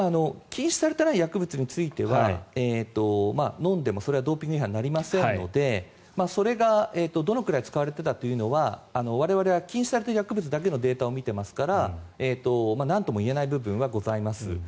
禁止されていない薬物については飲んでもそれはドーピング違反になりませんのでそれがどのくらい使われていたというのは我々は禁止されている薬物だけのデータを見ていますからなんとも言えない部分はございます。